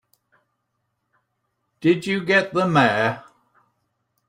Did you get the Mayor?